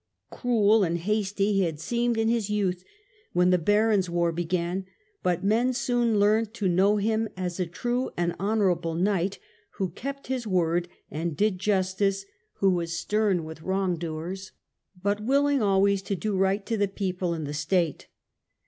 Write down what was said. Cruel and hasty he had seemed in his youth when tne Barons' war began, but men soon learnt to know him as a true and honourable knight, who kept his word and did justice, who was stem with wrongdoers, but willing always KING EDWARD'S AIMS. 8 1 to do right to the people and the state.